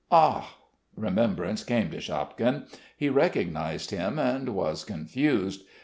Ah!" Remembrance came to Shapkin: he recognised him and was confused.